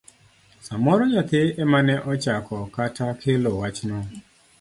samoro nyathi emane ochako kata kelo wachno.